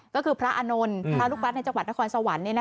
ก็คือพระอานนท์พระลูกวัดในจังหวัดนครสวรรค์